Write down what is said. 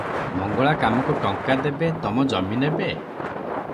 ମଙ୍ଗଳା କାମକୁ ଟଙ୍କା ଦେବେ; ତମ ଜମି ନେବେ?